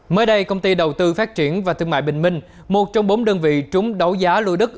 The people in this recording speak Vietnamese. mới đây công ty đầu tư phát triển và thương mại bình minh một trong bốn đơn vị trúng đấu giá lô đất